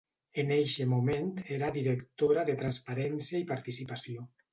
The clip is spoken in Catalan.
En eixe moment era Directora de Transparència i Participació.